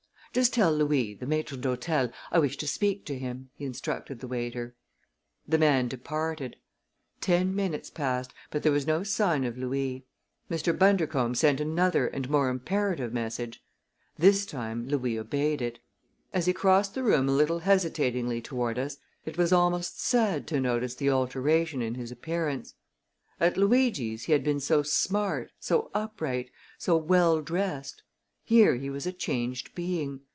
"Just tell Louis, the maître d'hôtel, I wish to speak to him," he instructed the waiter. The man departed. Ten minutes passed, but there was no sign of Louis. Mr. Bundercombe sent another and more imperative message. This time Louis obeyed it. As he crossed the room a little hesitatingly toward us, it was almost sad to notice the alteration in his appearance. At Luigi's he had been so smart, so upright, so well dressed. Here he was a changed being.